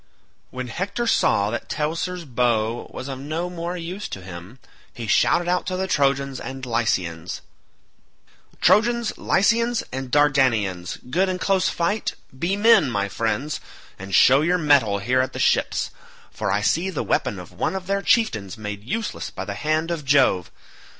When Hector saw that Teucer's bow was of no more use to him, he shouted out to the Trojans and Lycians, "Trojans, Lycians, and Dardanians good in close fight, be men, my friends, and show your mettle here at the ships, for I see the weapon of one of their chieftains made useless by the hand of Jove.